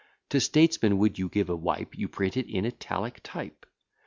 To statesmen would you give a wipe, You print it in Italic type.